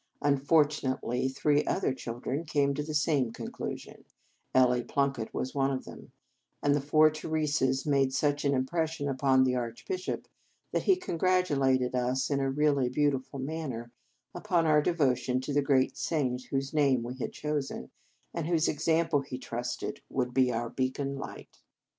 Unfortunately, three other children came to the same conclusion, Ellie Plunkett was one of them, and the four Theresas made such an impression upon the Archbishop that he congratulated us in a really beau tiful manner upon our devotion to the great saint whose name we had chosen, and whose example, he trusted, would be our beacon light.